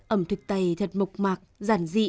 ẩm thực tày thật mộc mạc giản dị